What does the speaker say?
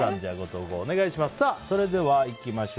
投票お願いします。